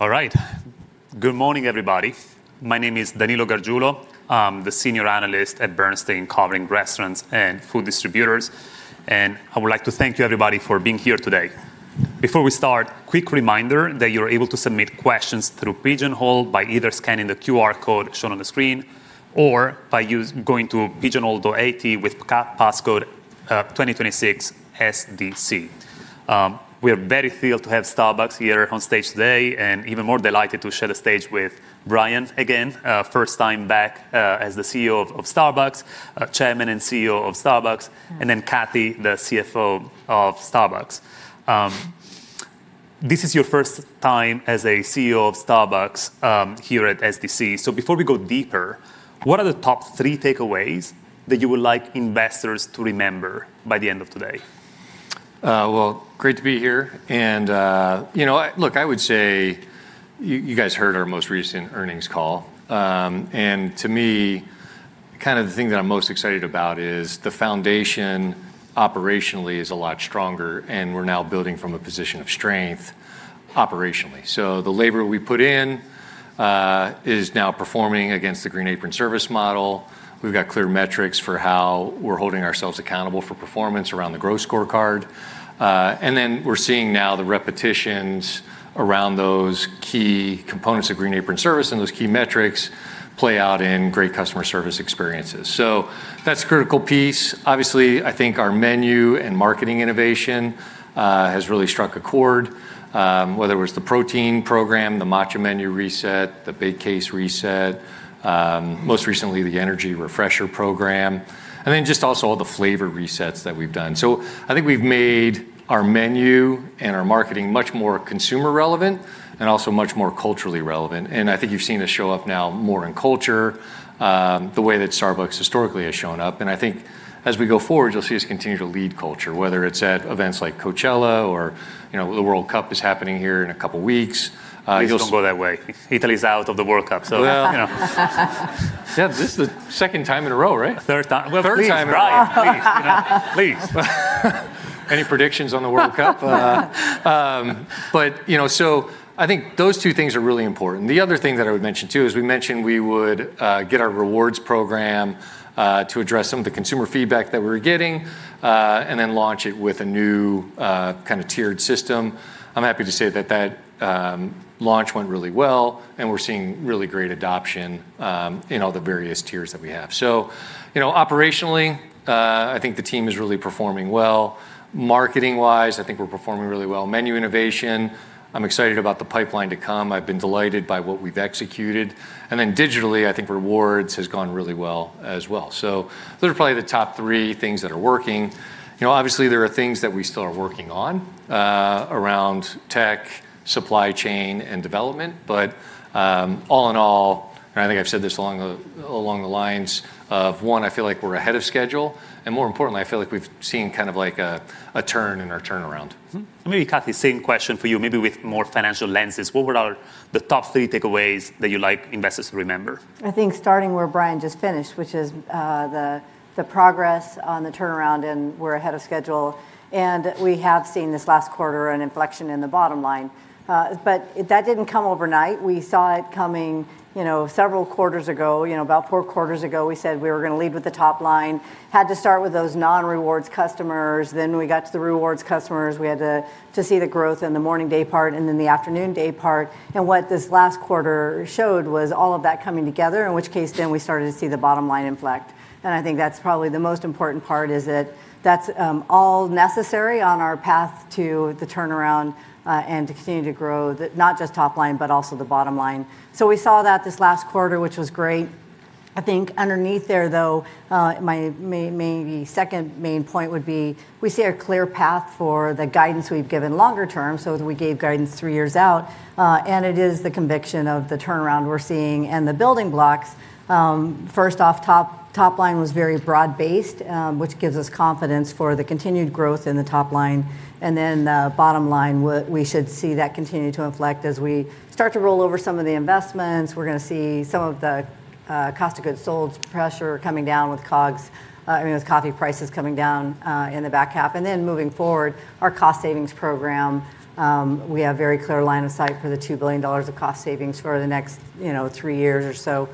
All right. Good morning, everybody. My name is Danilo Gargiulo. I'm the senior analyst at Bernstein, covering restaurants and food distributors. I would like to thank you, everybody, for being here today. Before we start, quick reminder that you're able to submit questions through Pigeonhole by either scanning the QR code shown on the screen or by going to pigeonhole.at with passcode 2026SDC. We are very thrilled to have Starbucks here on stage today. Even more delighted to share the stage with Brian again, first time back as the Chairman and CEO of Starbucks. Cathy, the CFO of Starbucks. This is your first time as a CEO of Starbucks here at SDC. Before we go deeper, what are the top three takeaways that you would like investors to remember by the end of today? Well, great to be here, and look, I would say you guys heard our most recent earnings call. To me, the thing that I'm most excited about is the foundation operationally is a lot stronger, and we're now building from a position of strength operationally. The labor we put in is now performing against the Green Apron Service model. We've got clear metrics for how we're holding ourselves accountable for performance around the GROW scorecard. Then we're seeing now the repetitions around those key components of Green Apron Service and those key metrics play out in great customer service experiences. That's a critical piece. Obviously, I think our menu and marketing innovation has really struck a chord. Whether it was the protein program, the matcha menu reset, the baked case reset, most recently the energy refresher program, just also all the flavor resets that we've done. I think we've made our menu and our marketing much more consumer relevant and also much more culturally relevant. I think you've seen us show up now more in culture, the way that Starbucks historically has shown up. I think as we go forward, you'll see us continue to lead culture, whether it's at events like Coachella or the World Cup is happening here in a couple weeks. Please don't go that way. Italy's out of the World Cup, so. Well. Yeah. This is the second time in a row, right? Third time. Third time. Brian, please. Please. Any predictions on the World Cup? I think those two things are really important. The other thing that I would mention too is we mentioned we would get our rewards program to address some of the consumer feedback that we were getting, and then launch it with a new kind of tiered system. I'm happy to say that that launch went really well, and we're seeing really great adoption in all the various tiers that we have. Operationally, I think the team is really performing well. Marketing-wise, I think we're performing really well. Menu innovation, I'm excited about the pipeline to come. I've been delighted by what we've executed. Digitally, I think rewards has gone really well as well. Those are probably the top three things that are working. Obviously, there are things that we still are working on around tech, supply chain, and development. All in all, and I think I've said this along the lines of, one, I feel like we're ahead of schedule, and more importantly, I feel like we've seen a turn in our turnaround. Mm-hmm. Maybe Cathy, same question for you, maybe with more financial lenses. What were the top three takeaways that you'd like investors to remember? I think starting where Brian just finished, which is the progress on the turnaround. We're ahead of schedule, and we have seen this last quarter an inflection in the bottom line. That didn't come overnight. We saw it coming several quarters ago. About four quarters ago, we said we were going to lead with the top line. We had to start with those non-rewards customers. We got to the rewards customers. We had to see the growth in the morning daypart and in the afternoon daypart. What this last quarter showed was all of that coming together, in which case we started to see the bottom line inflect. I think that's probably the most important part is that that's all necessary on our path to the turnaround, to continue to grow, not just top line, also the bottom line. We saw that this last quarter, which was great. I think underneath there, though, my maybe second main point would be we see a clear path for the guidance we've given longer term, we gave guidance three years out. It is the conviction of the turnaround we're seeing and the building blocks. First off, top line was very broad based, which gives us confidence for the continued growth in the top line. Bottom line, we should see that continue to inflect as we start to roll over some of the investments. We're going to see some of the Cost of Goods Sold pressure coming down with COGS, I mean, with coffee prices coming down in the back half. Moving forward, our cost savings program, we have very clear line of sight for the $2 billion of cost savings for the next three years or so,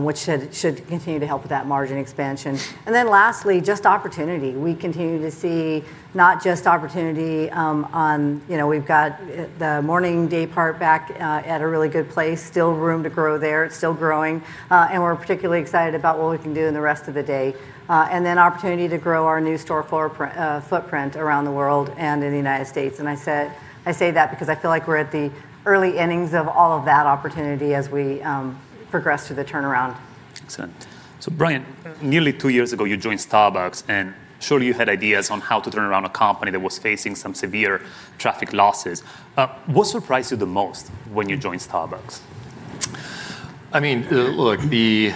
which should continue to help with that margin expansion. Lastly, just opportunity. We continue to see not just opportunity on, we've got the morning daypart back at a really good place. Still room to grow there. It's still growing. We're particularly excited about what we can do in the rest of the day. Opportunity to grow our new store footprint around the world and in the U.S. I say that because I feel like we're at the early innings of all of that opportunity as we progress through the turnaround. Excellent. Brian, nearly two years ago, you joined Starbucks, and surely you had ideas on how to turn around a company that was facing some severe traffic losses. What surprised you the most when you joined Starbucks? The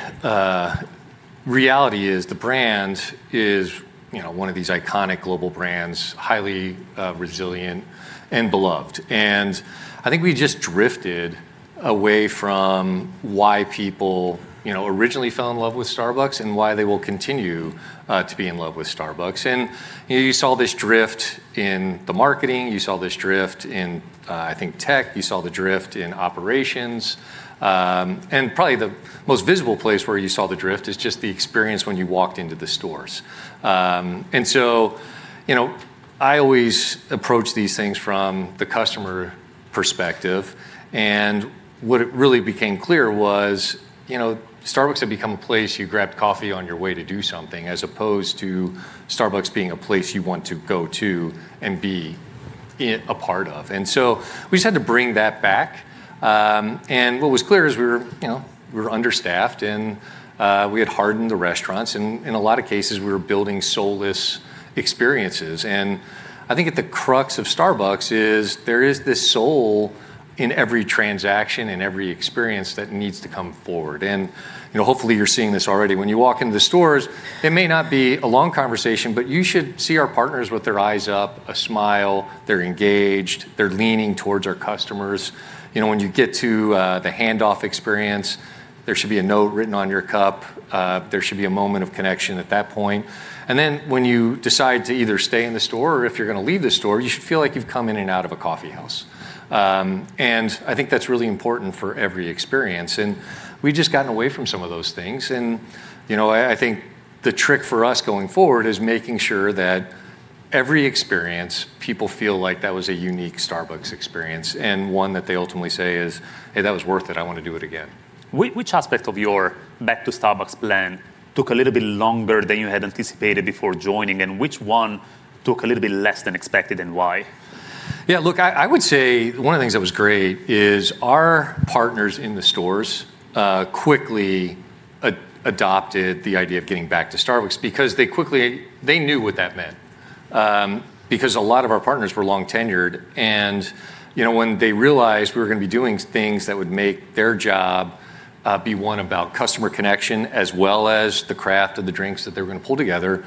reality is the brand is one of these iconic global brands, highly resilient and beloved. I think we just drifted away from why people originally fell in love with Starbucks and why they will continue to be in love with Starbucks. You saw this drift in the marketing, you saw this drift in, I think, tech, you saw the drift in operations. Probably the most visible place where you saw the drift is just the experience when you walked into the stores. I always approach these things from the customer perspective. What really became clear was, Starbucks had become a place you grabbed coffee on your way to do something, as opposed to Starbucks being a place you want to go to and be a part of. We just had to bring that back. What was clear is we were understaffed, and we had hardened the restaurants. In a lot of cases, we were building soulless experiences. I think at the crux of Starbucks is there is this soul in every transaction and every experience that needs to come forward. Hopefully you're seeing this already. When you walk into the stores, it may not be a long conversation, but you should see our partners with their eyes up, a smile, they're engaged, they're leaning towards our customers. When you get to the handoff experience, there should be a note written on your cup. There should be a moment of connection at that point. Then when you decide to either stay in the store or if you're going to leave the store, you should feel like you've come in and out of a coffee house. I think that's really important for every experience. We'd just gotten away from some of those things. I think the trick for us going forward is making sure that every experience, people feel like that was a unique Starbucks experience, and one that they ultimately say is, "Hey, that was worth it. I want to do it again. Which aspect of your Back to Starbucks plan took a little bit longer than you had anticipated before joining? Which one took a little bit less than expected, and why? Look, I would say one of the things that was great is our partners in the stores quickly adopted the idea of getting back to Starbucks because they knew what that meant. A lot of our partners were long-tenured. When they realized we were going to be doing things that would make their job be one about customer connection as well as the craft of the drinks that they were going to pull together,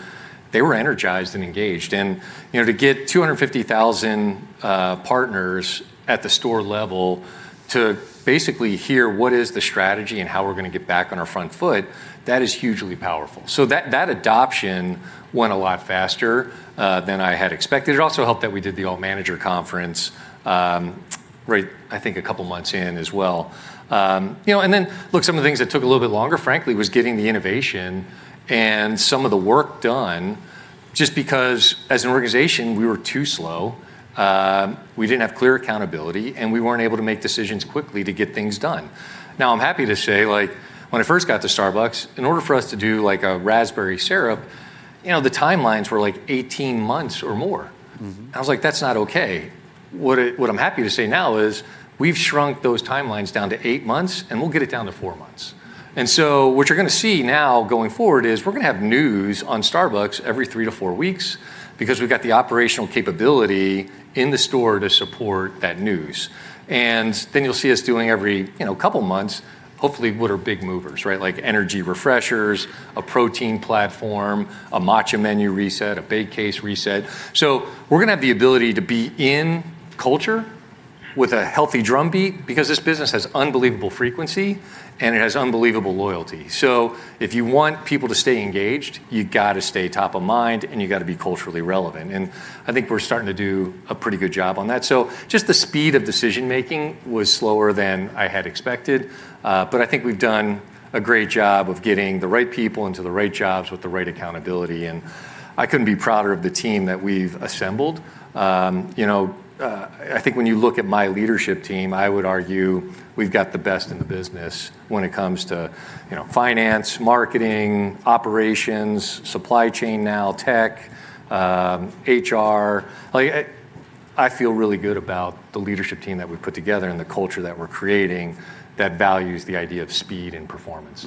they were energized and engaged. To get 250,000 partners at the store level to basically hear what is the strategy and how we're going to get back on our front foot, that is hugely powerful. That adoption went a lot faster than I had expected. It also helped that we did the all-manager conference, I think a couple of months in as well. Look, some of the things that took a little bit longer, frankly, was getting the innovation and some of the work done just because as an organization, we were too slow. We didn't have clear accountability, and we weren't able to make decisions quickly to get things done. Now I'm happy to say, when I first got to Starbucks, in order for us to do a raspberry syrup, the timelines were 18 months or more. I was like, "That's not okay." What I'm happy to say now is we've shrunk those timelines down to eight months, and we'll get it down to four months. What you're going to see now going forward is we're going to have news on Starbucks every three to four weeks because we've got the operational capability in the store to support that news. Then you'll see us doing every couple of months, hopefully, what are big movers. Like energy refreshers, a protein platform, a matcha menu reset, a bake case reset. We're going to have the ability to be in culture with a healthy drumbeat because this business has unbelievable frequency, and it has unbelievable loyalty. If you want people to stay engaged, you got to stay top of mind, and you got to be culturally relevant. I think we're starting to do a pretty good job on that. So just the speed of decision-making was slower than I had expected. I think we've done a great job of getting the right people into the right jobs with the right accountability, and I couldn't be prouder of the team that we've assembled. I think when you look at my leadership team, I would argue we've got the best in the business when it comes to finance, marketing, operations, supply chain now, tech, HR. I feel really good about the leadership team that we've put together and the culture that we're creating that values the idea of speed and performance.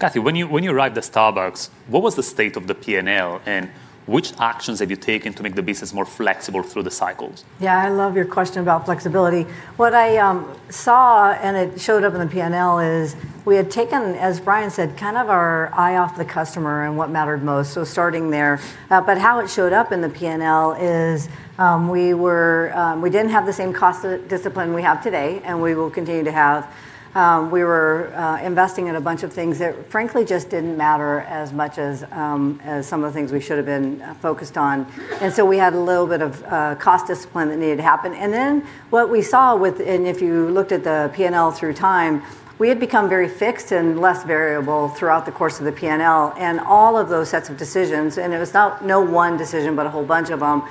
Cathy, when you arrived at Starbucks, what was the state of the P&L, and which actions have you taken to make the business more flexible through the cycles? Yeah, I love your question about flexibility. What I saw, and it showed up in the P&L, is we had taken, as Brian said, kind of our eye off the customer and what mattered most. Starting there. How it showed up in the P&L is we didn't have the same cost discipline we have today, and we will continue to have. We were investing in a bunch of things that frankly just didn't matter as much as some of the things we should've been focused on. We had a little bit of cost discipline that needed to happen. What we saw with, and if you looked at the P&L through time, we had become very fixed and less variable throughout the course of the P&L. All of those sets of decisions, and it was no one decision, but a whole bunch of them,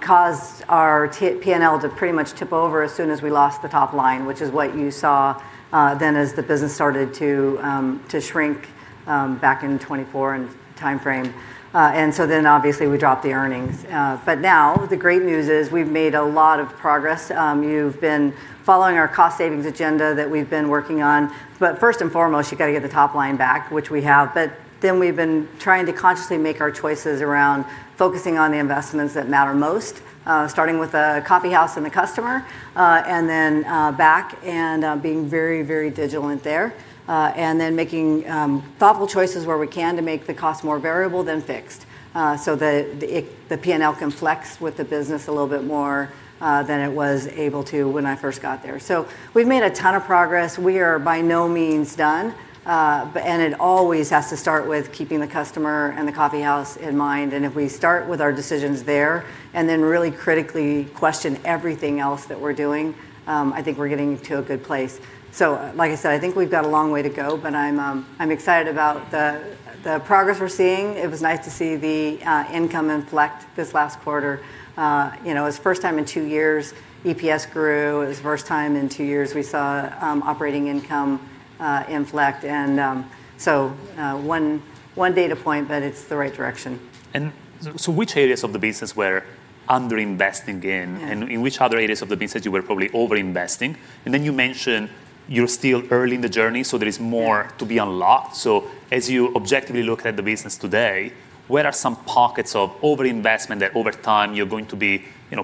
caused our P&L to pretty much tip over as soon as we lost the top line, which is what you saw then as the business started to shrink back in 2024 timeframe. Obviously, we dropped the earnings. The great news is we've made a lot of progress. You've been following our cost savings agenda that we've been working on. First and foremost, you got to get the top line back, which we have. We've been trying to consciously make our choices around focusing on the investments that matter most. Starting with the coffee house and the customer, and then back and being very diligent there. Making thoughtful choices where we can to make the cost more variable than fixed. That the P&L can flex with the business a little bit more than it was able to when I first got there. We've made a ton of progress. We are by no means done. It always has to start with keeping the customer and the coffee house in mind. If we start with our decisions there, and then really critically question everything else that we're doing, I think we're getting to a good place. Like I said, I think we've got a long way to go, but I'm excited about the progress we're seeing. It was nice to see the income inflect this last quarter. It was the first time in two years EPS grew. It was the first time in two years we saw operating income inflect. One data point, but it's the right direction. Which areas of the business were under-investing in? In which other areas of the business you were probably over-investing? You're still early in the journey. Yeah to be unlocked. As you objectively look at the business today, where are some pockets of over-investment that over time you're going to be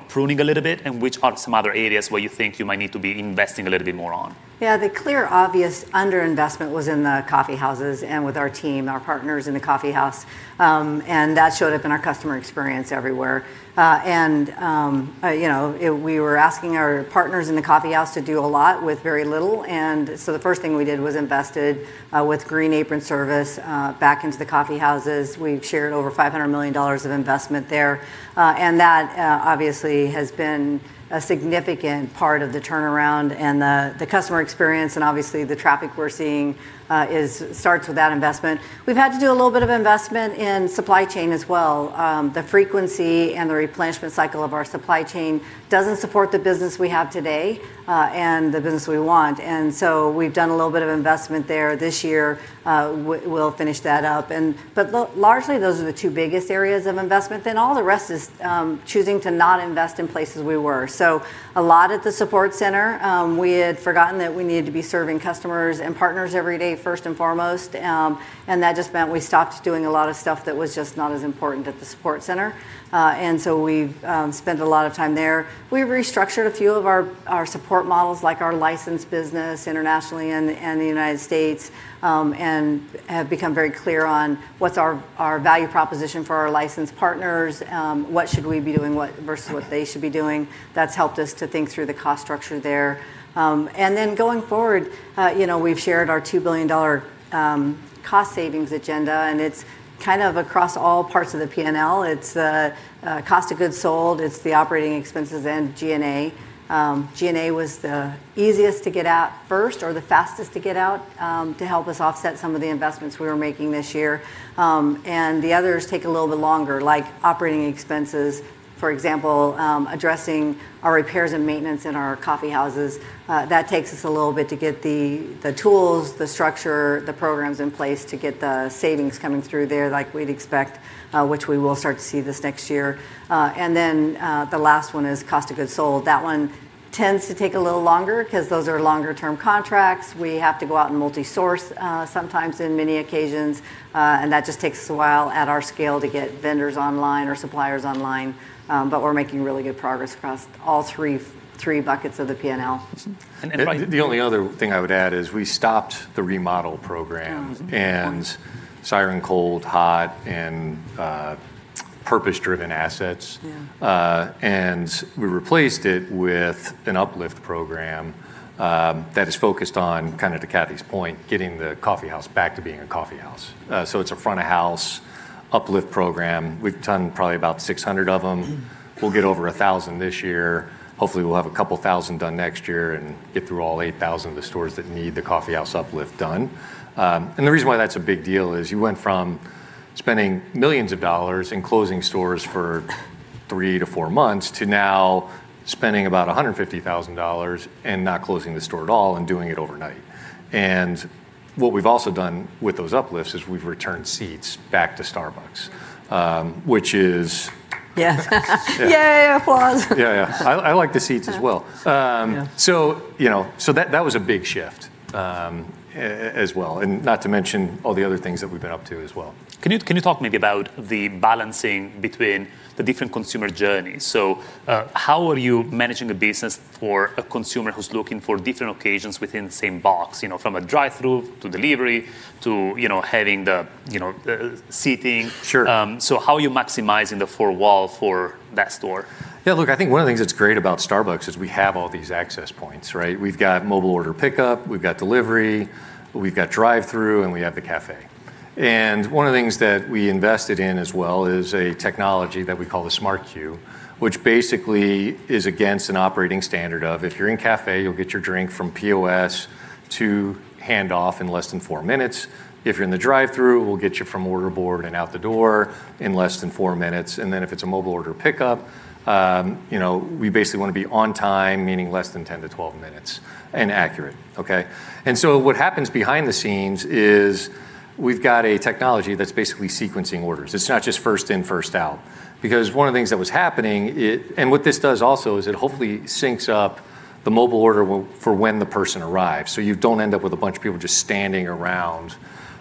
pruning a little bit, and which are some other areas where you think you might need to be investing a little bit more on? Yeah, the clear obvious under-investment was in the coffee houses and with our team, our partners in the coffee house. We were asking our partners in the coffee house to do a lot with very little. The first thing we did was invested with Green Apron Service back into the coffee houses. We've shared over $500 million of investment there. That obviously has been a significant part of the turnaround and the customer experience, and obviously the traffic we're seeing starts with that investment. We've had to do a little bit of investment in supply chain as well. The frequency and the replenishment cycle of our supply chain doesn't support the business we have today and the business we want. We've done a little bit of investment there this year. We'll finish that up. Largely, those are the two biggest areas of investment. All the rest is choosing to not invest in places we were. A lot at the support center. We had forgotten that we needed to be serving customers and partners every day first and foremost. That just meant we stopped doing a lot of stuff that was just not as important at the support center. We've spent a lot of time there. We restructured a few of our support models, like our licensed business internationally and the U.S. and have become very clear on what's our value proposition for our licensed partners, what should we be doing versus what they should be doing. That's helped us to think through the cost structure there. Going forward, we've shared our $2 billion cost savings agenda, and it's kind of across all parts of the P&L. It's Cost of Goods Sold, it's the Operating Expenses and G&A. G&A was the easiest to get at first, or the fastest to get out, to help us offset some of the investments we were making this year. The others take a little bit longer, like Operating Expenses, for example addressing our repairs and maintenance in our coffeehouses. That takes us a little bit to get the tools, the structure, the programs in place to get the savings coming through there like we'd expect, which we will start to see this next year. The last one is Cost of Goods Sold. That one tends to take a little longer because those are longer-term contracts. We have to go out and multi-source sometimes in many occasions. That just takes us a while at our scale to get vendors online or suppliers online. We're making really good progress across all three buckets of the P&L. And if I- The only other thing I would add is we stopped the remodel program. Siren Craft System, and purpose-driven assets. Yeah. We replaced it with an uplift program that is focused on, kind of to Cathy's point, getting the coffee house back to being a coffee house. It's a front-of-house uplift program. We've done probably about 600 of them. We'll get over 1,000 this year. Hopefully, we'll have 2,000 done next year and get through all 8,000 of the stores that need the coffee house uplift done. The reason why that's a big deal is you went from spending millions of dollars and closing stores for three to four months, to now spending about $150,000 and not closing the store at all and doing it overnight. What we've also done with those uplifts is we've returned seats back to Starbucks. Yeah. Yeah. Yay, applause. Yeah. I like the seats as well. Yeah. That was a big shift as well. Not to mention all the other things that we've been up to as well. Can you talk maybe about the balancing between the different consumer journeys? How are you managing a business for a consumer who's looking for different occasions within the same box, from a drive-through to delivery, to having the seating. Sure. How are you maximizing the four wall for that store? Look, I think one of the things that's great about Starbucks is we have all these access points, right? We've got mobile order pickup, we've got delivery, we've got drive-through, and we have the cafe. One of the things that we invested in as well is a technology that we call the Smart Queue, which basically is against an operating standard of if you're in cafe, you'll get your drink from POS to hand off in less than four minutes. If you're in the drive-through, we'll get you from order board and out the door in less than four minutes. Then if it's a mobile order pickup, we basically want to be on time, meaning less than 10 to 12 minutes, and accurate. Okay? So what happens behind the scenes is we've got a technology that's basically sequencing orders. It's not just first in, first out. What this does also is it hopefully syncs up the mobile order for when the person arrives, so you don't end up with a bunch of people just standing around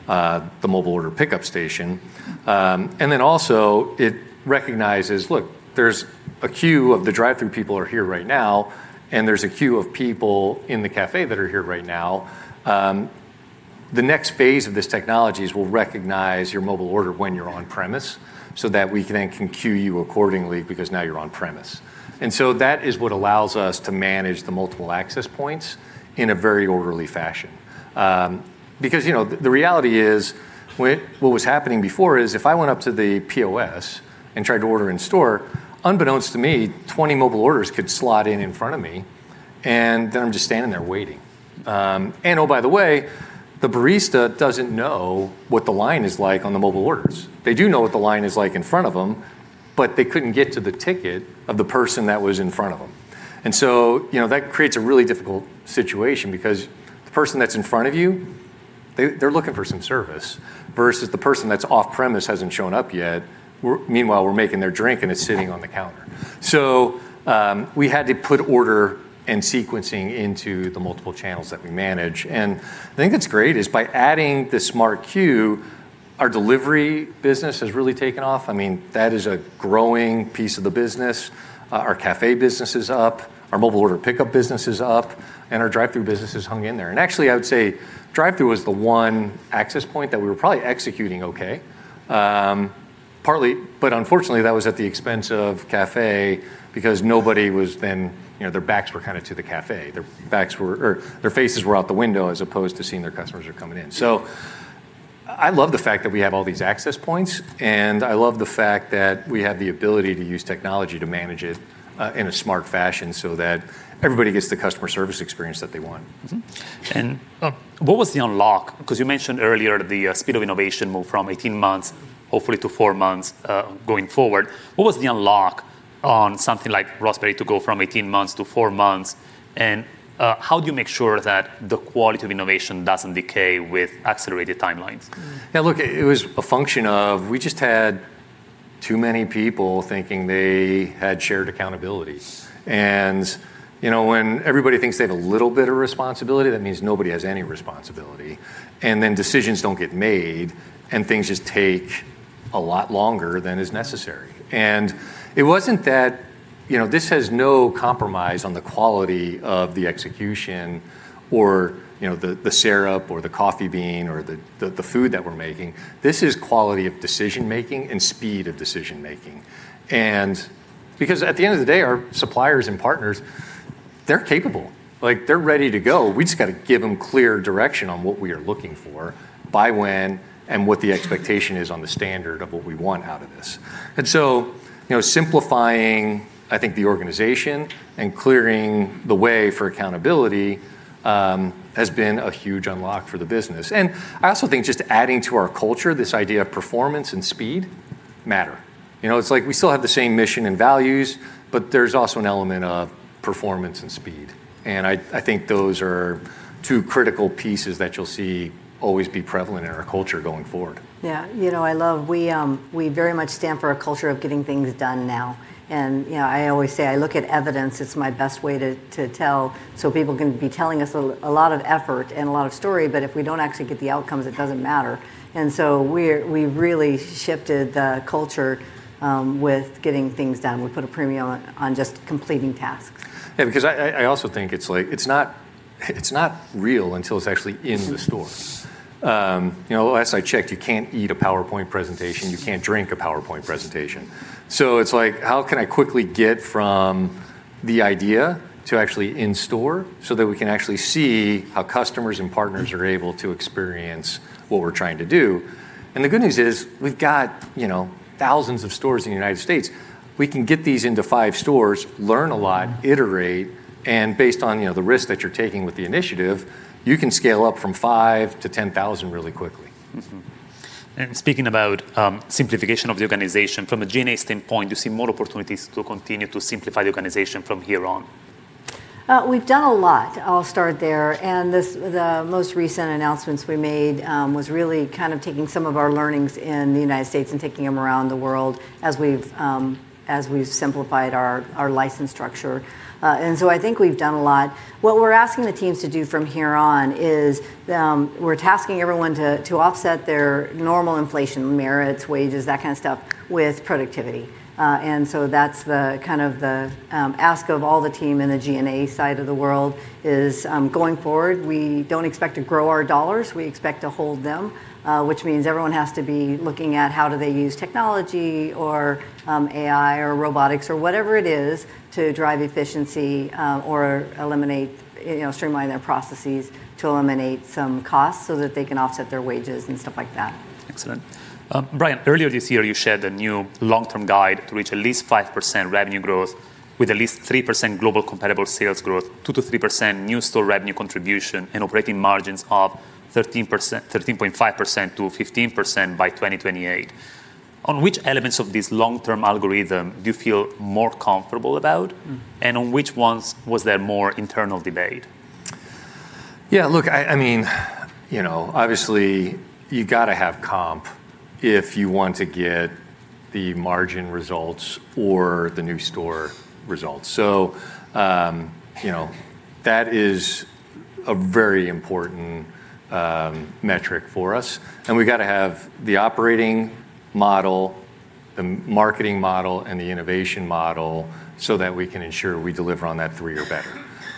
the mobile order pickup station. Then also it recognizes, look, there's a queue of the drive-through people are here right now, and there's a queue of people in the cafe that are here right now. The next phase of this technology is we'll recognize your mobile order when you're on premise, so that we then can queue you accordingly because now you're on premise. That is what allows us to manage the multiple access points in a very orderly fashion. The reality is, what was happening before is if I went up to the POS and tried to order in store, unbeknownst to me, 20 mobile orders could slot in in front of me, and then I'm just standing there waiting. Oh, by the way, the barista doesn't know what the line is like on the mobile orders. They do know what the line is like in front of them, but they couldn't get to the ticket of the person that was in front of them. That creates a really difficult situation because the person that's in front of you. They're looking for some service, versus the person that's off premise hasn't shown up yet. Meanwhile, we're making their drink, and it's sitting on the counter. We had to put order and sequencing into the multiple channels that we manage. I think what's great is by adding the Smart Queue, our delivery business has really taken off. That is a growing piece of the business. Our cafe business is up, our mobile order pickup business is up, and our drive-through business has hung in there. Actually, I would say drive-through was the one access point that we were probably executing okay. Unfortunately, that was at the expense of cafe because Their backs were kind of to the cafe. Their faces were out the window as opposed to seeing their customers who are coming in. I love the fact that we have all these access points, and I love the fact that we have the ability to use technology to manage it in a smart fashion so that everybody gets the customer service experience that they want. Mm-hmm. What was the unlock? Because you mentioned earlier the speed of innovation moved from 18 months, hopefully to four months going forward. What was the unlock on something like raspberry to go from 18 months to four months? How do you make sure that the quality of innovation doesn't decay with accelerated timelines? Yeah, look, it was a function of, we just had too many people thinking they had shared accountability. When everybody thinks they have a little bit of responsibility, that means nobody has any responsibility, and then decisions don't get made, and things just take a lot longer than is necessary. This has no compromise on the quality of the execution or the syrup or the coffee bean or the food that we're making. This is quality of decision making and speed of decision making. Because at the end of the day, our suppliers and partners, they're capable. They're ready to go. We just got to give them clear direction on what we are looking for, by when, and what the expectation is on the standard of what we want out of this. Simplifying, I think, the organization and clearing the way for accountability, has been a huge unlock for the business. I also think just adding to our culture, this idea of performance and speed matter. It's like we still have the same mission and values, but there's also an element of performance and speed. I think those are two critical pieces that you'll see always be prevalent in our culture going forward. Yeah. We very much stand for a culture of getting things done now. I always say I look at evidence. It's my best way to tell, so people can be telling us a lot of effort and a lot of story, but if we don't actually get the outcomes, it doesn't matter. We really shifted the culture with getting things done. We put a premium on just completing tasks. Yeah, because I also think it's not real until it's actually in the store. Last I checked, you can't eat a PowerPoint presentation. You can't drink a PowerPoint presentation. It's like, how can I quickly get from the idea to actually in store so that we can actually see how customers and partners are able to experience what we're trying to do. The good news is we've got thousands of stores in the United States. We can get these into five stores, learn a lot, iterate, and based on the risk that you're taking with the initiative, you can scale up from 5 to 10,000 really quickly. Speaking about simplification of the organization, from a G&A standpoint, do you see more opportunities to continue to simplify the organization from here on? We've done a lot. I'll start there. The most recent announcements we made was really kind of taking some of our learnings in the United States and taking them around the world as we've simplified our license structure. I think we've done a lot. What we're asking the teams to do from here on is, we're tasking everyone to offset their normal inflation, merits, wages, that kind of stuff, with productivity. That's the ask of all the team in the G&A side of the world is, going forward, we don't expect to grow our dollars. We expect to hold them, which means everyone has to be looking at how do they use technology or AI or robotics or whatever it is to drive efficiency or streamline their processes to eliminate some costs so that they can offset their wages and stuff like that. Excellent. Brian, earlier this year, you shared a new long-term guide to reach at least 5% revenue growth with at least 3% global comparable sales growth, 2%-3% new store revenue contribution, and operating margins of 13.5%-15% by 2028. On which elements of this long-term algorithm do you feel more comfortable about? On which ones was there more internal debate? Look, obviously, you got to have comp if you want to get the margin results or the new store results. That is a very important metric for us. We got to have the operating model, the marketing model, and the innovation model so that we can ensure we deliver on that three or better.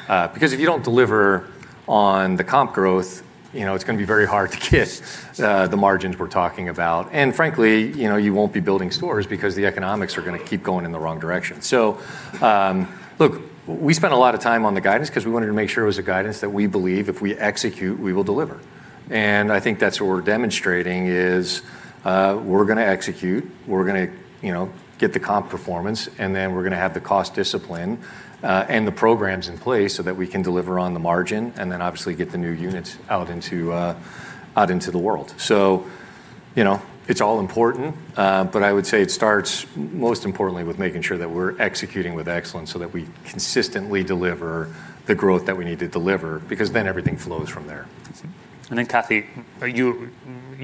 If you don't deliver on the comp growth, it's going to be very hard to get the margins we're talking about. Frankly, you won't be building stores because the economics are going to keep going in the wrong direction. Look, we spent a lot of time on the guidance because we wanted to make sure it was a guidance that we believe if we execute, we will deliver. I think that's what we're demonstrating is, we're going to execute, we're going to get the comp performance, and then we're going to have the cost discipline, and the programs in place so that we can deliver on the margin, and then obviously get the new units out into the world. It's all important. I would say it starts most importantly with making sure that we're executing with excellence so that we consistently deliver the growth that we need to deliver, because then everything flows from there. Cathy, you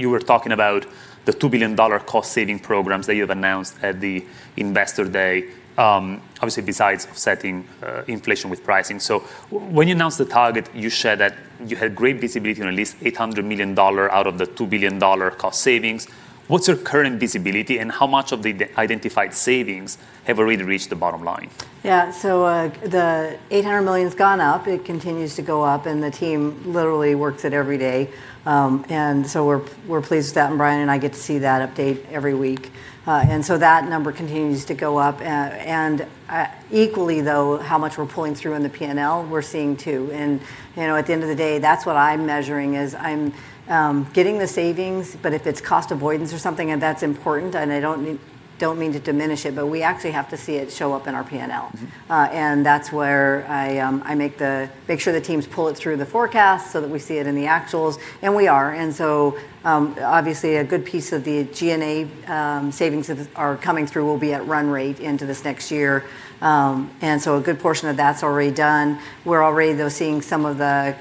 were talking about the $2 billion cost-saving programs that you have announced at the Investor Day, obviously besides offsetting inflation with pricing. When you announced the target, you shared that you had great visibility on at least $800 million out of the $2 billion cost savings. What's your current visibility, and how much of the identified savings have already reached the bottom line? Yeah. The $800 million has gone up. It continues to go up, and the team literally works it every day. We're pleased with that, and Brian and I get to see that update every week. That number continues to go up. Equally though, how much we're pulling through in the P&L, we're seeing too, and at the end of the day, that's what I'm measuring is I'm getting the savings. If it's cost avoidance or something, and that's important, and I don't mean to diminish it, but we actually have to see it show up in our P&L. That's where I make sure the teams pull it through the forecast so that we see it in the actuals, and we are. Obviously, a good piece of the G&A savings that are coming through will be at run rate into this next year. A good portion of that's already done. We're already, though, seeing some of the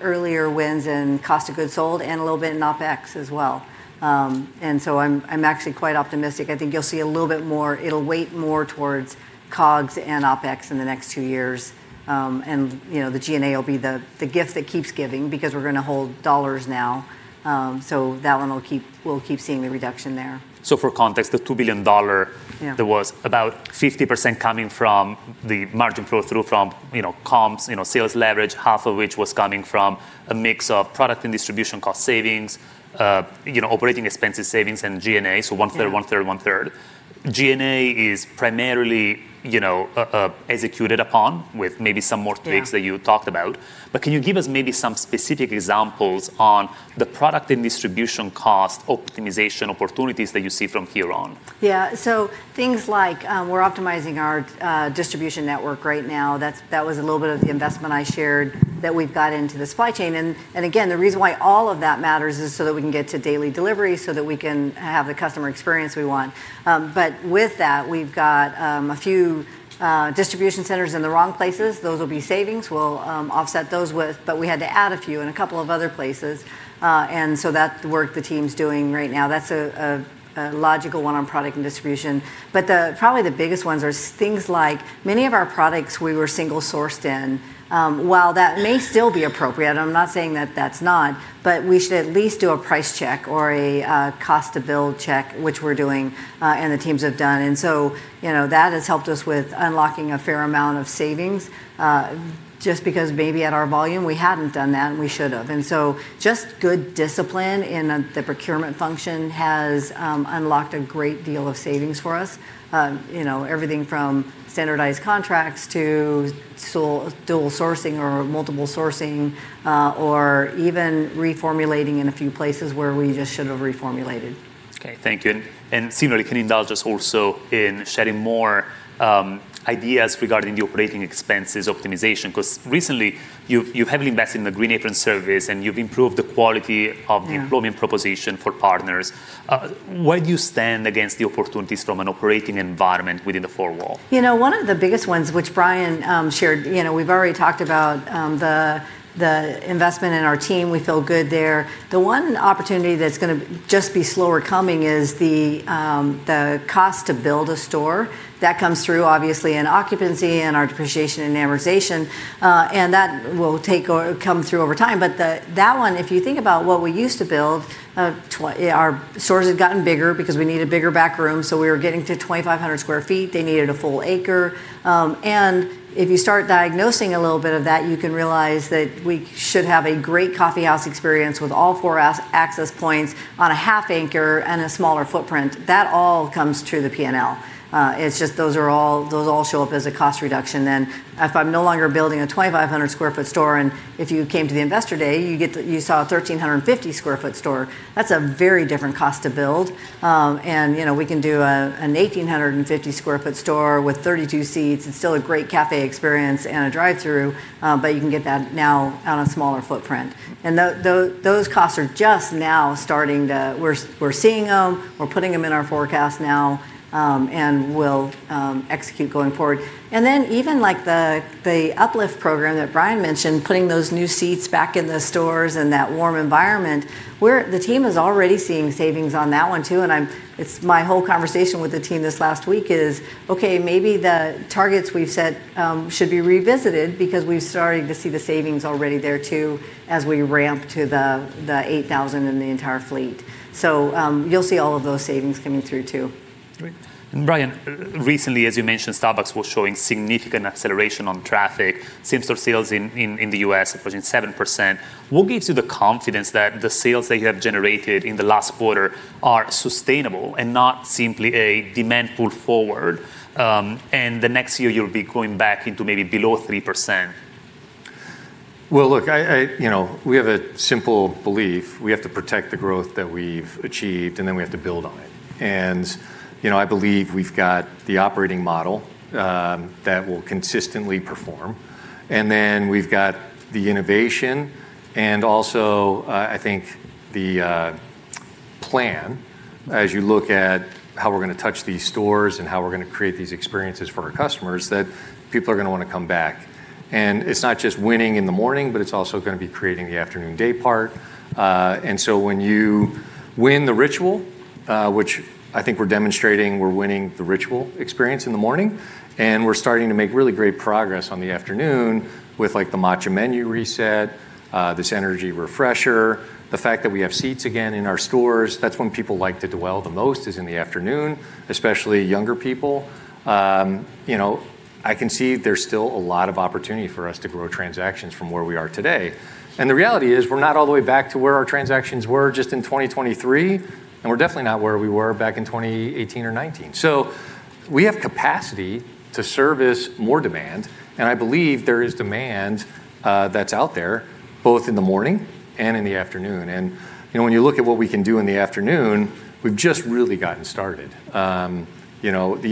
earlier wins in cost of goods sold and a little bit in OpEx as well. I'm actually quite optimistic. I think you'll see a little bit more. It'll weight more towards COGS and OpEx in the next two years. The G&A will be the gift that keeps giving because we're going to hold dollars now. That one we'll keep seeing the reduction there. for context, the $2 billion- Yeah There was about 50% coming from the margin flow through from comps, sales leverage, half of which was coming from a mix of product and distribution cost savings, Operating Expenses savings, and G&A, so one-third, one-third, one-third. G&A is primarily executed upon with maybe some more. Yeah that you talked about. Can you give us maybe some specific examples on the product and distribution cost optimization opportunities that you see from here on? Yeah. Things like we're optimizing our distribution network right now. That was a little bit of the investment I shared that we've got into the supply chain. The reason why all of that matters is so that we can get to daily delivery so that we can have the customer experience we want. We've got a few distribution centers in the wrong places. Those will be savings. We had to add a few in a couple of other places. That's the work the team's doing right now. That's a logical one on product and distribution. Probably the biggest ones are things like many of our products we were single-sourced in. While that may still be appropriate, I'm not saying that that's not, but we should at least do a price check or a cost-to-build check, which we're doing, and the teams have done. That has helped us with unlocking a fair amount of savings, just because maybe at our volume, we hadn't done that, and we should have. Just good discipline in the procurement function has unlocked a great deal of savings for us. Everything from standardized contracts to dual sourcing or multiple sourcing, or even reformulating in a few places where we just should have reformulated. Okay, thank you. Similarly, can you indulge us also in sharing more ideas regarding the Operating Expenses optimization? Because recently, you've heavily invested in the Green Apron Service and you've improved the quality of Yeah employment proposition for partners. Where do you stand against the opportunities from an operating environment within the four walls? One of the biggest ones, which Brian shared, we've already talked about the investment in our team. We feel good there. The one opportunity that's going to just be slower coming is the cost to build a store. That comes through obviously in occupancy and our depreciation and amortization. That will come through over time. That one, if you think about what we used to build, our stores have gotten bigger because we need a bigger back room, so we were getting to 2,500 square feet. They needed a full acre. If you start diagnosing a little bit of that, you can realize that we should have a great coffeehouse experience with all four access points on a half acre and a smaller footprint. That all comes through the P&L. It's just those all show up as a cost reduction then. If I'm no longer building a 2,500-square-foot store, and if you came to the Investor Day, you saw a 1,350-square-foot store. That's a very different cost to build. We can do an 1,850-square-foot store with 32 seats and still a great cafe experience and a drive-thru, but you can get that now on a smaller footprint. We're seeing them, we're putting them in our forecast now, and we'll execute going forward. Even the uplift program that Brian mentioned, putting those new seats back in the stores and that warm environment, the team is already seeing savings on that one, too. My whole conversation with the team this last week is, okay, maybe the targets we've set should be revisited because we're starting to see the savings already there, too, as we ramp to the 8,000 in the entire fleet. You'll see all of those savings coming through, too. Great. Brian, recently, as you mentioned, Starbucks was showing significant acceleration on traffic. Same-store sales in the U.S. approaching 7%. What gives you the confidence that the sales that you have generated in the last quarter are sustainable and not simply a demand pull forward, and the next year, you'll be going back into maybe below 3%? Well, look, we have a simple belief. We have to protect the growth that we've achieved, then we have to build on it. I believe we've got the operating model that will consistently perform. Then we've got the innovation, and also, I think the plan, as you look at how we're going to touch these stores and how we're going to create these experiences for our customers, that people are going to want to come back. It's not just winning in the morning, but it's also going to be creating the afternoon day part. When you win the ritual, which I think we're demonstrating, we're winning the ritual experience in the morning, and we're starting to make really great progress on the afternoon with the matcha menu reset, this energy refresher, the fact that we have seats again in our stores. That's when people like to dwell the most is in the afternoon, especially younger people. I can see there's still a lot of opportunity for us to grow transactions from where we are today. The reality is, we're not all the way back to where our transactions were just in 2023, and we're definitely not where we were back in 2018 or 2019. We have capacity to service more demand, and I believe there is demand that's out there both in the morning and in the afternoon. When you look at what we can do in the afternoon, we've just really gotten started. The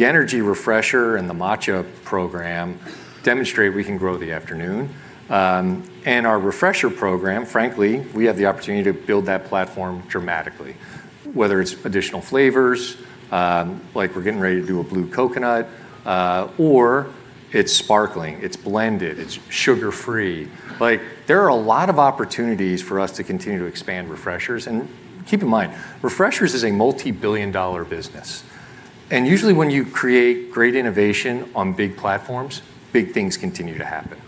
energy Refresher and the matcha program demonstrate we can grow the afternoon. Our refresher program, frankly, we have the opportunity to build that platform dramatically, whether it's additional flavors, like we're getting ready to do a blue coconut, or it's sparkling, it's blended, it's sugar-free. There are a lot of opportunities for us to continue to expand Refreshers. Keep in mind, Refreshers is a multi-billion-dollar business. Usually when you create great innovation on big platforms, big things continue to happen.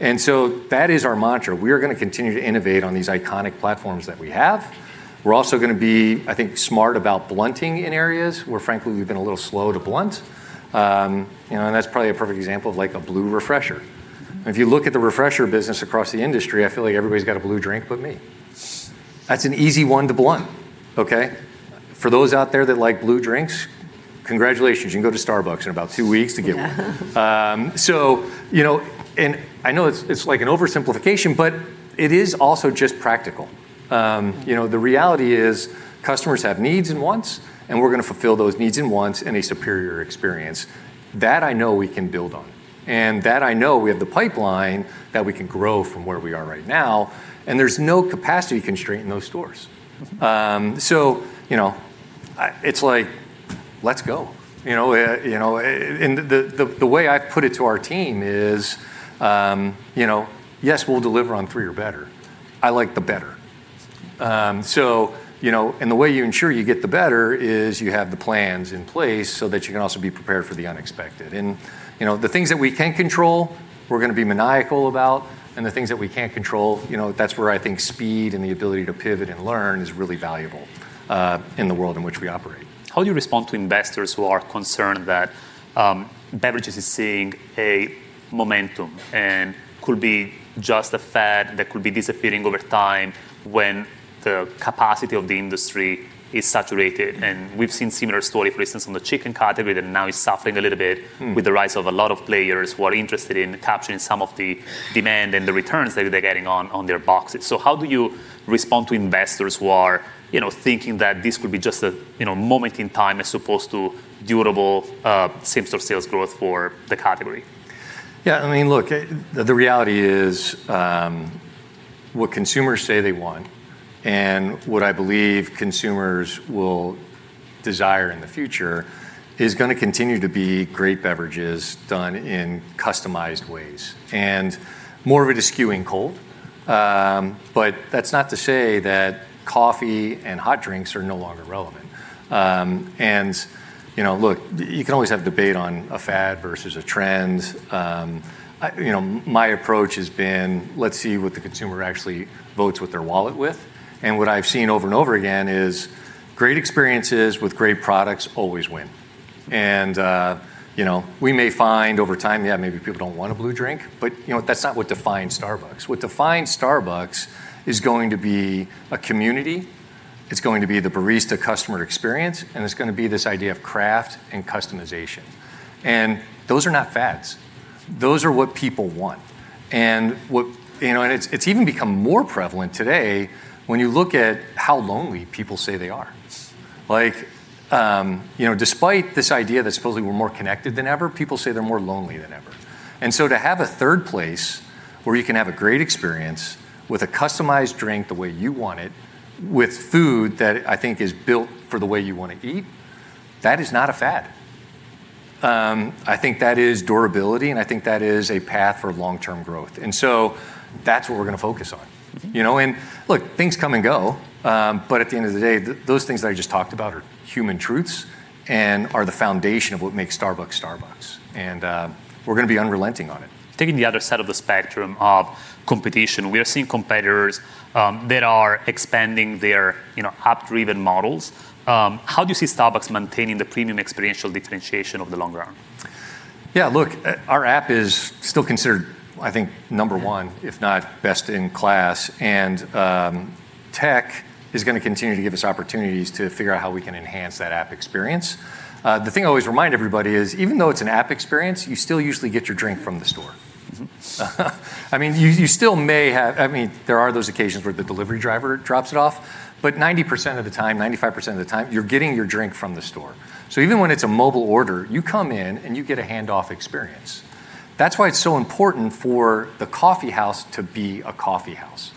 That is our mantra. We are going to continue to innovate on these iconic platforms that we have. We're also going to be, I think, smart about blunting in areas where, frankly, we've been a little slow to blunt. That's probably a perfect example of a blue refresher. If you look at the refresher business across the industry, I feel like everybody's got a blue drink but me. That's an easy one to blunt. Okay? For those out there that like blue drinks, congratulations, you can go to Starbucks in about two weeks to get one. I know it's an oversimplification, but it is also just practical. The reality is customers have needs and wants, and we're going to fulfill those needs and wants in a superior experience. That I know we can build on, and that I know we have the pipeline that we can grow from where we are right now, and there's no capacity constraint in those stores. It's like, let's go. The way I put it to our team is yes, we'll deliver on three or better. I like the better. The way you ensure you get the better is you have the plans in place so that you can also be prepared for the unexpected. The things that we can control, we're going to be maniacal about, and the things that we can't control, that's where I think speed and the ability to pivot and learn is really valuable in the world in which we operate. How do you respond to investors who are concerned that beverages is seeing a momentum and could be just a fad that could be disappearing over time when the capacity of the industry is saturated? We've seen similar story, for instance, on the chicken category, that now is suffering a little bit with the rise of a lot of players who are interested in capturing some of the demand and the returns that they're getting on their boxes. How do you respond to investors who are thinking that this could be just a moment in time as opposed to durable same-store sales growth for the category? Yeah, look, the reality is what consumers say they want and what I believe consumers will desire in the future is going to continue to be great beverages done in customized ways. More of it is skewing cold. That's not to say that coffee and hot drinks are no longer relevant. Look, you can always have debate on a fad versus a trend. My approach has been, let's see what the consumer actually votes with their wallet with. What I've seen over and over again is great experiences with great products always win. We may find over time, yeah, maybe people don't want a blue drink. That's not what defines Starbucks. What defines Starbucks is going to be a community, it's going to be the barista customer experience, and it's going to be this idea of craft and customization. Those are not fads. Those are what people want. It's even become more prevalent today when you look at how lonely people say they are. Despite this idea that supposedly we're more connected than ever, people say they're more lonely than ever. To have a third place where you can have a great experience with a customized drink the way you want it, with food that I think is built for the way you want to eat, that is not a fad. I think that is durability, and I think that is a path for long-term growth. That's what we're going to focus on. Look, things come and go, but at the end of the day, those things that I just talked about are human truths and are the foundation of what makes Starbucks. We're going to be unrelenting on it. Taking the other side of the spectrum of competition, we are seeing competitors that are expanding their app-driven models. How do you see Starbucks maintaining the premium experiential differentiation of the long run? Look, our app is still considered, I think, number one, if not best in class. Tech is going to continue to give us opportunities to figure out how we can enhance that app experience. The thing I always remind everybody is even though it's an app experience, you still usually get your drink from the store. There are those occasions where the delivery driver drops it off, but 90% of the time, 95% of the time, you're getting your drink from the store. Even when it's a mobile order, you come in and you get a handoff experience. That's why it's so important for the coffee house to be a coffee house.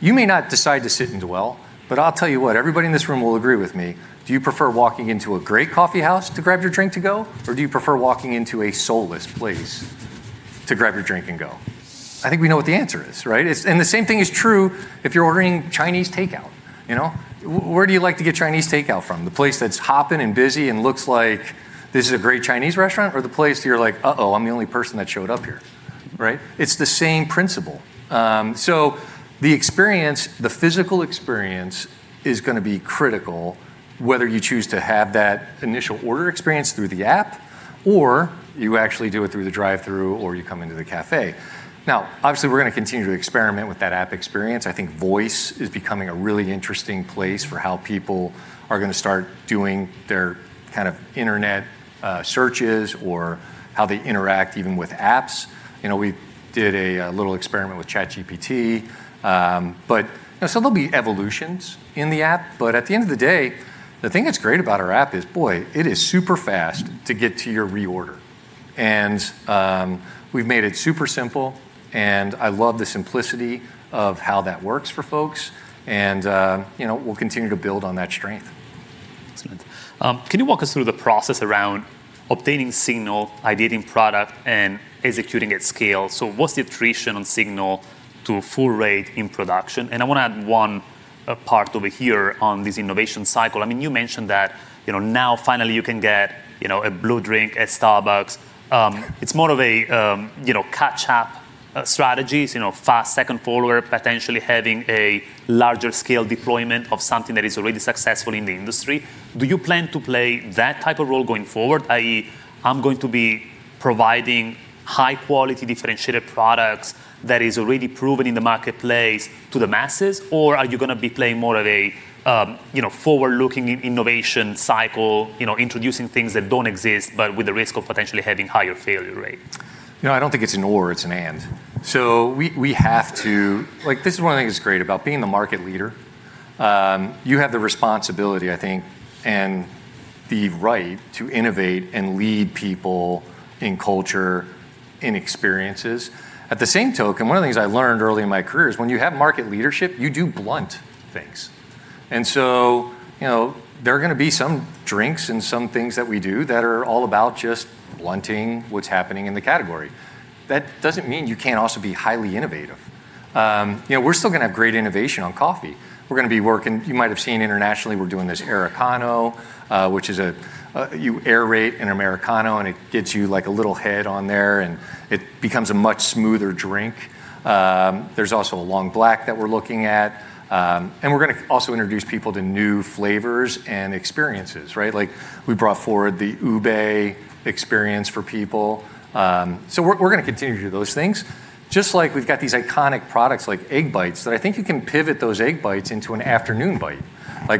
You may not decide to sit and dwell, but I'll tell you what, everybody in this room will agree with me. Do you prefer walking into a great coffee house to grab your drink to go? Do you prefer walking into a soulless place to grab your drink and go? I think we know what the answer is, right? The same thing is true if you're ordering Chinese takeout. Where do you like to get Chinese takeout from? The place that's hopping and busy and looks like this is a great Chinese restaurant, or the place you're like, "Uh-oh, I'm the only person that showed up here." Right? It's the same principle. The physical experience is going to be critical, whether you choose to have that initial order experience through the app, or you actually do it through the drive-thru, or you come into the cafe. Obviously, we're going to continue to experiment with that app experience. I think voice is becoming a really interesting place for how people are going to start doing their kind of internet searches or how they interact even with apps. We did a little experiment with ChatGPT. There'll be evolutions in the app, but at the end of the day, the thing that's great about our app is, boy, it is super fast to get to your reorder. We've made it super simple, and I love the simplicity of how that works for folks. We'll continue to build on that strength. Excellent. Can you walk us through the process around obtaining signal, ideating product, and executing at scale? What's the attrition on signal to full rate in production? I want to add one part over here on this innovation cycle. You mentioned that now finally you can get a blue drink at Starbucks. It's more of a catch-up strategy, fast second follower, potentially having a larger scale deployment of something that is already successful in the industry. Do you plan to play that type of role going forward, i.e., I'm going to be providing high-quality, differentiated products that is already proven in the marketplace to the masses, or are you going to be playing more of a forward-looking innovation cycle, introducing things that don't exist, but with the risk of potentially having higher failure rate? I don't think it's an or, it's an and. This is what I think is great about being the market leader. You have the responsibility, I think, and the right to innovate and lead people in culture, in experiences. At the same token, one of the things I learned early in my career is when you have market leadership, you do blunt things. There are going to be some drinks and some things that we do that are all about just blunting what's happening in the category. That doesn't mean you can't also be highly innovative. We're still going to have great innovation on coffee. We're going to be working, you might have seen internationally, we're doing this Aerocano, which is a, you aerate an Americano, and it gets you like a little head on there, and it becomes a much smoother drink. There's also a long black that we're looking at. We're going to also introduce people to new flavors and experiences, right? We brought forward the ube experience for people. We're going to continue to do those things. Just like we've got these iconic products like Egg Bites that I think you can pivot those Egg Bites into an afternoon bite.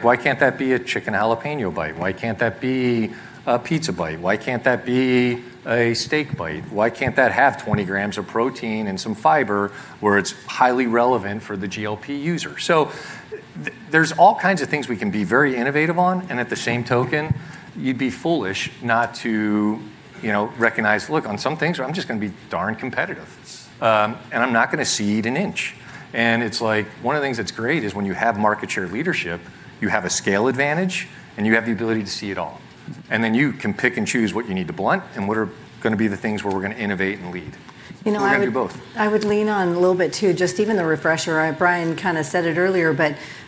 Why can't that be a chicken jalapeno bite? Why can't that be a pizza bite? Why can't that be a steak bite? Why can't that have 20g of protein and some fiber where it's highly relevant for the GLP user? There's all kinds of things we can be very innovative on, and at the same token, you'd be foolish not to recognize, look, on some things, I'm just going to be darn competitive. I'm not going to cede an inch. It's like, one of the things that's great is when you have market share leadership, you have a scale advantage, and you have the ability to see it all. Then you can pick and choose what you need to blunt and what are going to be the things where we're going to innovate and lead. You know. We're going to do both. I would lean on a little bit, too, just even the Refresher. Brian kind of said it earlier.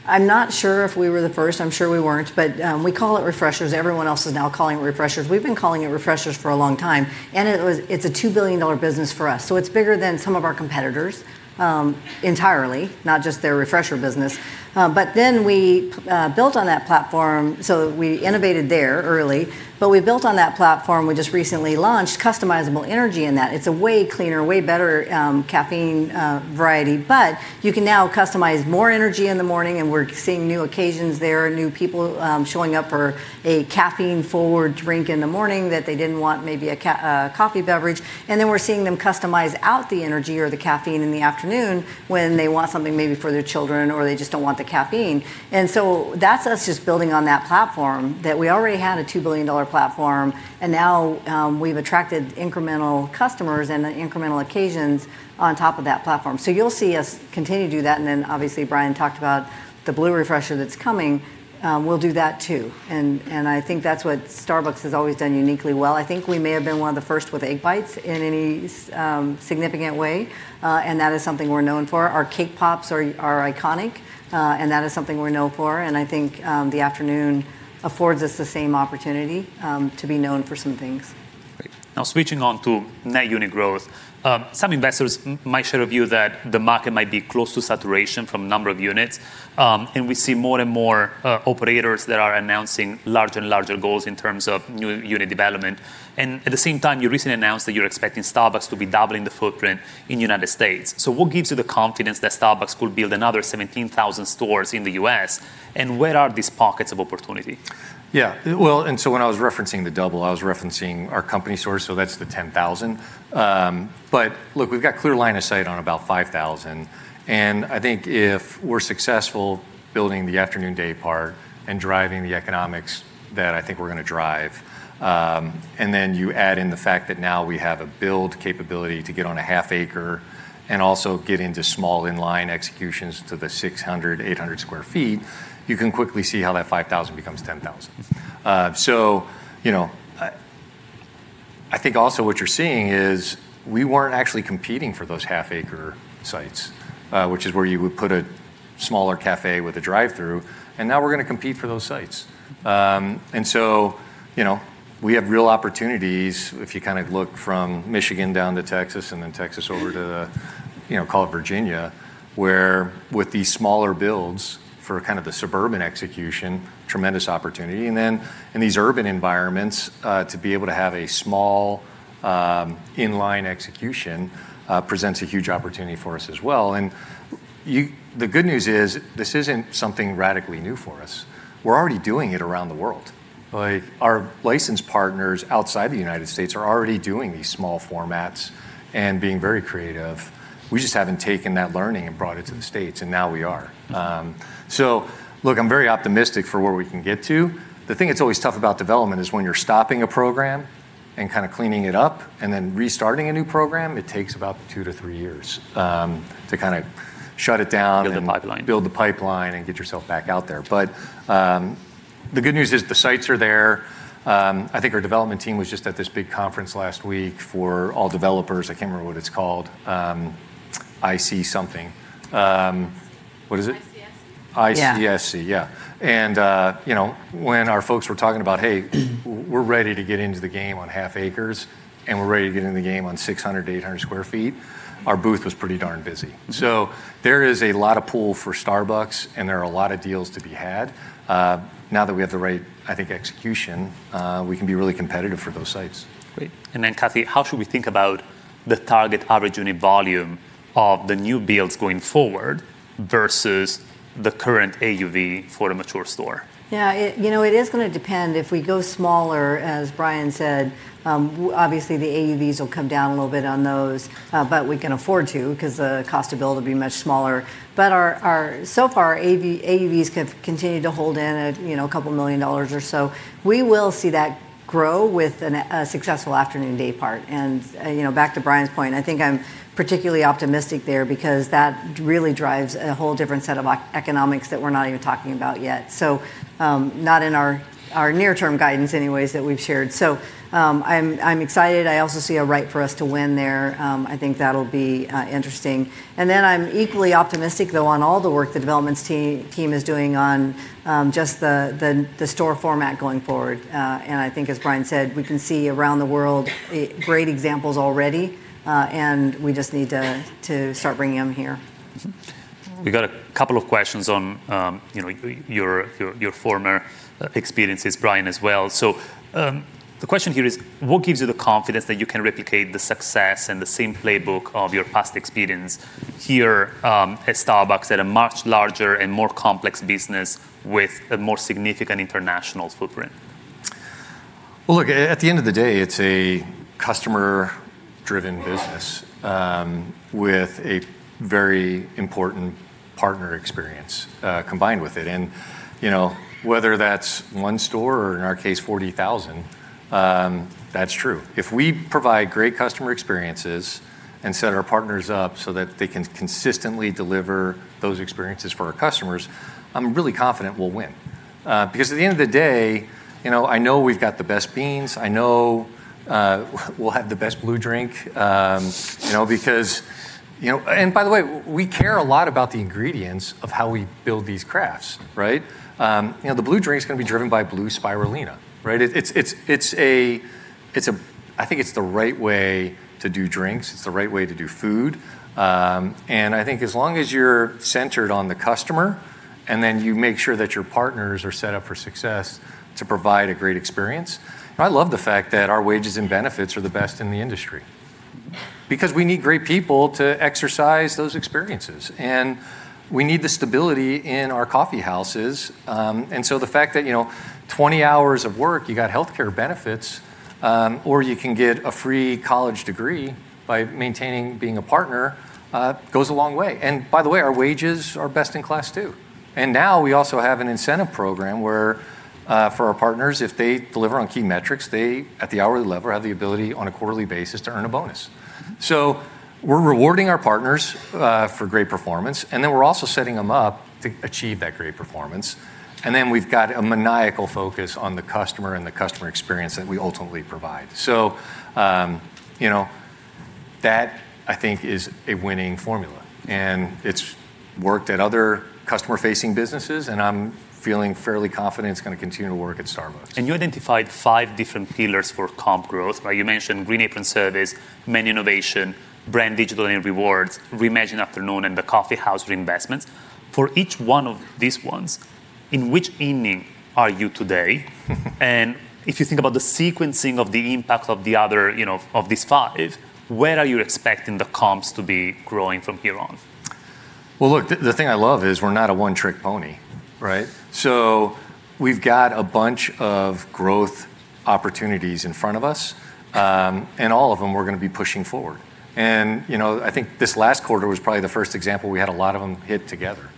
I'm not sure if we were the first. I'm sure we weren't. We call it Refreshers. Everyone else is now calling it Refreshers. We've been calling it Refreshers for a long time. It's a $2 billion business for us. It's bigger than some of our competitors entirely, not just their Refresher business. We built on that platform. We innovated there early. We built on that platform we just recently launched customizable energy in that. It's a way cleaner, way better caffeine variety. You can now customize more energy in the morning. We're seeing new occasions there, new people showing up for a caffeine-forward drink in the morning that they didn't want maybe a coffee beverage. Then we're seeing them customize out the energy or the caffeine in the afternoon when they want something maybe for their children or they just don't want the caffeine. That's us just building on that platform that we already had a $2 billion platform, and now we've attracted incremental customers and incremental occasions on top of that platform. You'll see us continue to do that, then obviously Brian talked about the blue Refresher that's coming. We'll do that, too. I think that's what Starbucks has always done uniquely well. I think we may have been one of the first with Egg Bites in any significant way. That is something we're known for. Our Cake Pops are iconic. That is something we're known for. I think the afternoon affords us the same opportunity to be known for some things. Great. Now switching on to net unit growth. Some investors might share a view that the market might be close to saturation from number of units. We see more and more operators that are announcing larger and larger goals in terms of new unit development. At the same time, you recently announced that you're expecting Starbucks to be doubling the footprint in the U.S. What gives you the confidence that Starbucks could build another 17,000 stores in the U.S., and where are these pockets of opportunity? Yeah. When I was referencing the double, I was referencing our company stores, so that's the 10,000. Look, we've got clear line of sight on about 5,000, and I think if we're successful building the afternoon daypart and driving the economics that I think we're going to drive, and then you add in the fact that now we have a build capability to get on a half acre and also get into small in-line executions to the 600, 800 sq ft, you can quickly see how that 5,000 becomes 10,000. I think also what you're seeing is we weren't actually competing for those half-acre sites, which is where you would put a smaller cafe with a drive-through, and now we're going to compete for those sites. We have real opportunities if you look from Michigan down to Texas, and then Texas over to call it Virginia, where with these smaller builds for kind of the suburban execution, tremendous opportunity. Then in these urban environments, to be able to have a small inline execution presents a huge opportunity for us as well. The good news is this isn't something radically new for us. We're already doing it around the world. Our license partners outside the United States are already doing these small formats and being very creative. We just haven't taken that learning and brought it to the States, and now we are. Look, I'm very optimistic for where we can get to. The thing that's always tough about development is when you're stopping a program and kind of cleaning it up, and then restarting a new program, it takes about two to three years to kind of shut it down. Build the pipeline. Build the pipeline, get yourself back out there. The good news is the sites are there. I think our development team was just at this big conference last week for all developers. I can't remember what it's called, IC something. What is it? ICSC, yeah. When our folks were talking about, "Hey, we're ready to get into the game on half acres, and we're ready to get in the game on 600-800 square feet," our booth was pretty darn busy. There is a lot of pool for Starbucks, and there are a lot of deals to be had. Now that we have the right, I think, execution, we can be really competitive for those sites. Great. Then Cathy, how should we think about the target average unit volume of the new builds going forward versus the current AUV for the mature store? It is going to depend. If we go smaller, as Brian said, obviously, the AUVs will come down a little bit on those. We can afford to, because the cost to build will be much smaller. So far, AUVs have continued to hold in at a couple million dollars or so. We will see that grow with a successful afternoon daypart. Back to Brian's point, I think I'm particularly optimistic there because that really drives a whole different set of economics that we're not even talking about yet. Not in our near-term guidance anyways that we've shared. I'm excited. I also see a right for us to win there. I think that'll be interesting. Then I'm equally optimistic, though, on all the work the developments team is doing on just the store format going forward. I think as Brian said, we can see around the world great examples already, and we just need to start bringing them here. We got a couple of questions on your former experiences, Brian, as well. The question here is, what gives you the confidence that you can replicate the success and the same playbook of your past experience here at Starbucks at a much larger and more complex business with a more significant international footprint? Well, look, at the end of the day, it's a customer-driven business with a very important partner experience combined with it. Whether that's one store or in our case 40,000, that's true. If we provide great customer experiences and set our partners up so that they can consistently deliver those experiences for our customers, I'm really confident we'll win. At the end of the day, I know we've got the best beans, I know we'll have the best blue drink. By the way, we care a lot about the ingredients of how we build these crafts, right? The blue drink is going to be driven by blue spirulina, right? I think it's the right way to do drinks. It's the right way to do food. I think as long as you're centered on the customer, then you make sure that your partners are set up for success to provide a great experience. I love the fact that our wages and benefits are the best in the industry. Because we need great people to exercise those experiences. We need the stability in our coffee houses, so the fact that 20 hours of work, you got healthcare benefits, or you can get a free college degree by maintaining being a partner, goes a long way. By the way, our wages are best in class too. Now we also have an incentive program where for our partners, if they deliver on key metrics, they at the hourly level, have the ability on a quarterly basis to earn a bonus. We're rewarding our partners for great performance, and then we're also setting them up to achieve that great performance. We've got a maniacal focus on the customer and the customer experience that we ultimately provide. That I think is a winning formula, and it's worked at other customer-facing businesses, and I'm feeling fairly confident it's going to continue to work at Starbucks. You identified five different pillars for comp growth. You mentioned Green Apron Service, menu innovation, brand digital and Rewards, reimagine afternoon, and the coffeehouse reinvestments. For each one of these, in which inning are you today? If you think about the sequencing of the impact of these five, where are you expecting the comps to be growing from here on? Look, the thing I love is we're not a one-trick pony, right. We've got a bunch of growth opportunities in front of us. All of them we're going to be pushing forward. I think this last quarter was probably the first example we had a lot of them hit together.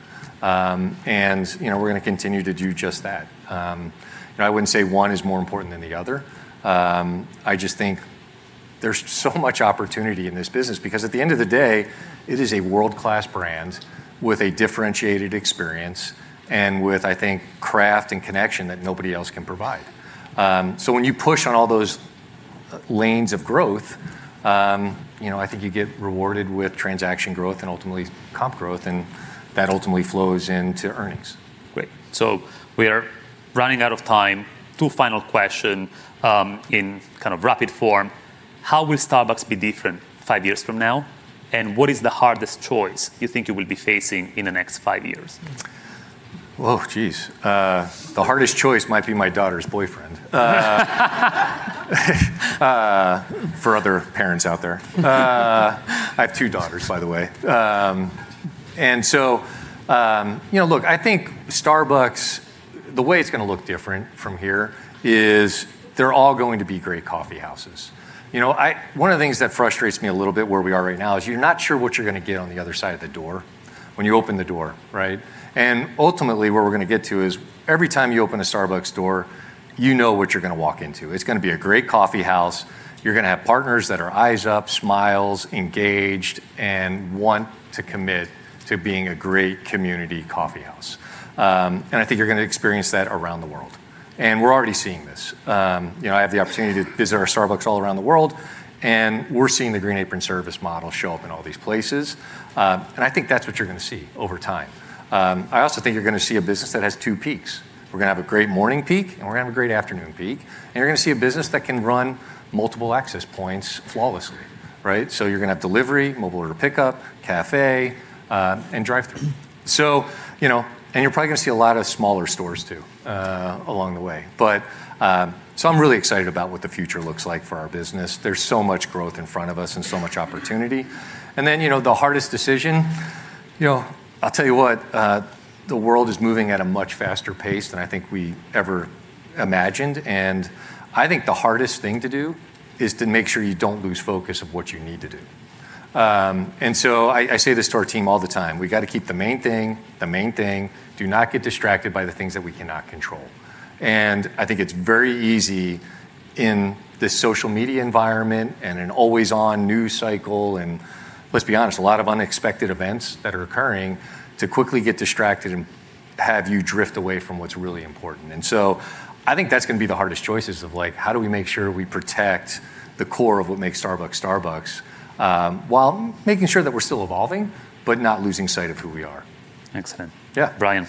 We're going to continue to do just that. I wouldn't say one is more important than the other. I just think there's so much opportunity in this business because at the end of the day, it is a world-class brand with a differentiated experience and with, I think, craft and connection that nobody else can provide. When you push on all those lanes of growth, I think you get rewarded with transaction growth and ultimately comp growth, and that ultimately flows into earnings. Great. We are running out of time. Two final question in kind of rapid form. How will Starbucks be different five years from now? What is the hardest choice you think you will be facing in the next five years? Oh, geez. The hardest choice might be my daughter's boyfriend. For other parents out there. I have two daughters, by the way. Look, I think Starbucks, the way it's going to look different from here is they're all going to be great coffee houses. One of the things that frustrates me a little bit where we are right now is you're not sure what you're going to get on the other side of the door when you open the door, right? Ultimately, what we're going to get to is every time you open a Starbucks door, you know what you're going to walk into. It's going to be a great coffee house. You're going to have partners that are eyes up, smiles, engaged, and want to commit to being a great community coffee house. I think you're going to experience that around the world. We're already seeing this. I have the opportunity to visit our Starbucks all around the world, and we're seeing the Green Apron Service model show up in all these places. I think that's what you're going to see over time. I also think you're going to see a business that has two peaks. We're going to have a great morning peak, and we're going to have a great afternoon peak, and you're going to see a business that can run multiple access points flawlessly. Right. You're going to have delivery, mobile order pickup, cafe, and drive-thru. You're probably going to see a lot of smaller stores, too, along the way. I'm really excited about what the future looks like for our business. There's so much growth in front of us and so much opportunity. The hardest decision, I'll tell you what, the world is moving at a much faster pace than I think we ever imagined. I think the hardest thing to do is to make sure you don't lose focus of what you need to do. I say this to our team all the time. We got to keep the main thing, the main thing. Do not get distracted by the things that we cannot control. I think it's very easy in this social media environment and an always-on news cycle, and let's be honest, a lot of unexpected events that are occurring, to quickly get distracted and have you drift away from what's really important. I think that's going to be the hardest choices of how do we make sure we protect the core of what makes Starbucks, while making sure that we're still evolving but not losing sight of who we are. Excellent. Yeah. Brian.